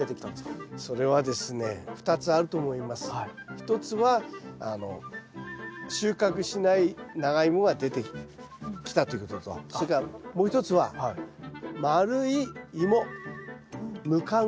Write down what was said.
一つは収穫しないナガイモが出てきたということとそれからもう一つは丸いイモムカゴ。